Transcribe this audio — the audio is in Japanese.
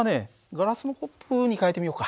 ガラスのコップに替えてみようか。